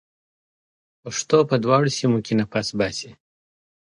پښتو په دواړو سیمه کې نفس باسي.